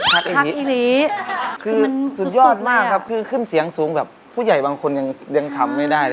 คือสุดยอดมากครับคือขึ้นเสียงสูงสักคราวแบบพุ่อยบางคนยังดึงทำไม่ได้